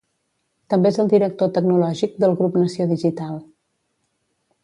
També és el director tecnològic del Grup Nació Digital.